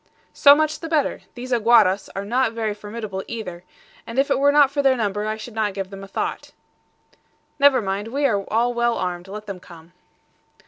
"So much the better. These AGUARAS are not very formidable either; and if it were not for their number I should not give them a thought." "Never mind; we are all well armed; let them come."